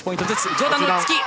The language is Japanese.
上段の突き。